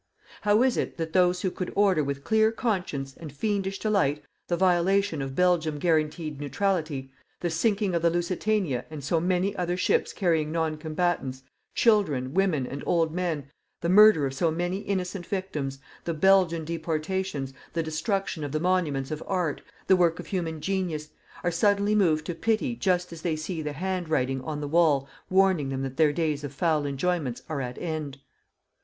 How is it that those who could order with clear conscience and fiendish delight the violation of Belgium guaranteed neutrality, the sinking of the Lusitania and so many other ships carrying non combatants, children, women and old men, the murder of so many innocent victims, the Belgian deportations, the destruction of the monuments of art the work of human genius are suddenly moved to pity just as they see the hand writing on the wall warning them that their days of foul enjoyments are at end?